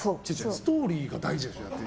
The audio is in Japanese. ストーリーが大事でしょだって。